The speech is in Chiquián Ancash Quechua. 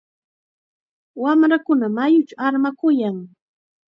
Wamrakuna mayuchaw armakuyan.